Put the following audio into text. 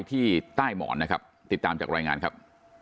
ที่ใต้หมอนนะครับติดตามจากรายงานครับ